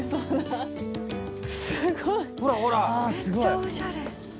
すごいめっちゃおしゃれ。